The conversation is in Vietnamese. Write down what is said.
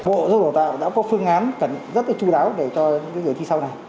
bộ giáo dục đã có phương án rất chú đáo để cho những giới thi sau này